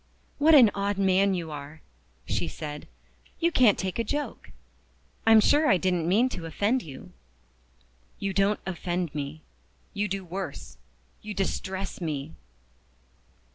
"What an odd man you are!" she said. "You can't take a joke. I'm sure I didn't mean to offend you." "You don't offend me you do worse, you distress me."